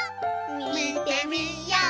みてみよう！